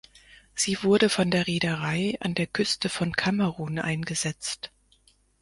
Sie wurde von der Reederei an der Küste von Kamerun eingesetzt.